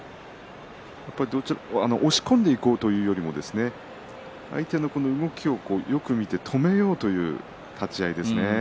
やっぱり押し込んでいこうというよりも相手の動きをよく見て止めようという立ち合いですね。